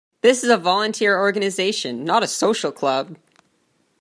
This is a volunteer organization, not a social club.